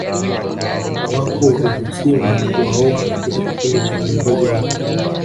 Hawakuruhusiwa kuwaoa katika kipindi cha uongozi wake